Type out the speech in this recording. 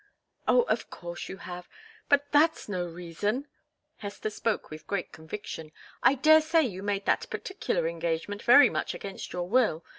"Oh, of course you have. But that's no reason." Hester spoke with great conviction. "I daresay you made that particular engagement very much against your will.